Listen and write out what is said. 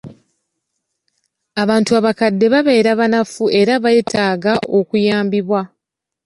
Abantu abakadde babeera banafu era beetaaga okuyambibwa.